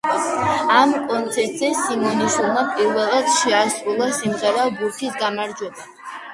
ამ კონცერტზე სიმონიშვილმა პირველად შეასრულა სიმღერა „ბურთის გამარჯვება“.